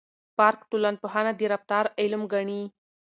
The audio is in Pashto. پارک ټولنپوهنه د رفتار علم ګڼي.